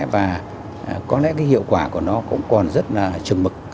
và có lẽ hiệu quả của nó cũng còn rất là trừng mực